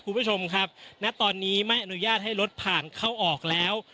คุณผู้ชมครับณตอนนี้ไม่อนุญาตให้รถผ่านเข้าออกแล้ว